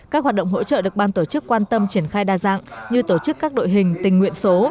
các hoạt động hỗ trợ được ban tổ chức quan tâm triển khai đa dạng như tổ chức các đội hình tình nguyện số